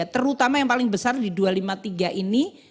terutama yang paling besar di dua ratus lima puluh tiga ini